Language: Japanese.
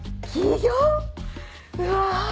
うわ！